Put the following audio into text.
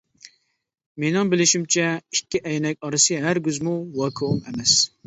مىنىڭ بىلىشىمچە ئىككى ئەينەك ئارىسى ھەرگىزمۇ ۋاكۇئۇم ئەمەس.